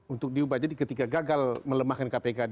untuk diubah jadi ketika gagal melemahkan kpk